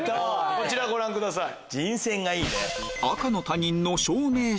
こちらご覧ください。